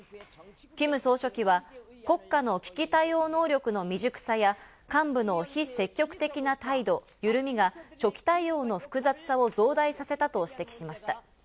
キム総書記は国家の危機対応能力の未熟さや、幹部の非積極的な態度・緩みが初期対応の複雑さを増大させたと指摘しました。